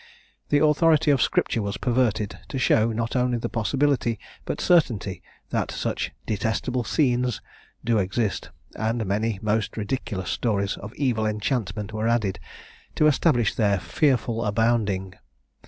The authority of Scripture was perverted, to show, not only the possibility, but certainty, that such "detestable scenes" do exist; and many most ridiculous stories of evil enchantment were added, to establish their "fearful abounding."